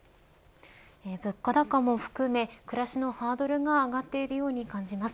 物価高も含め暮らしのハードルが上がっているように感じます。